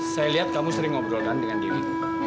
saya lihat kamu sering ngobrolkan dengan dewi